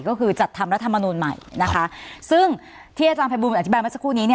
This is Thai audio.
ก็คือจัดทำรัฐมนูลใหม่นะคะซึ่งที่อาจารย์ภัยบูลอธิบายมาสักครู่นี้